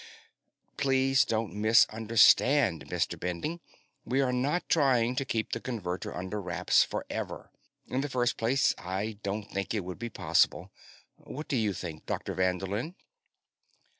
"Please don't misunderstand, Mr. Bending; we are not trying to keep the Converter under wraps forever. In the first place, I don't think it would be possible. What do you think, Dr. Vanderlin?"